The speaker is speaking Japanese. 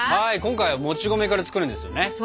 はい今回はもち米から作るんですよね。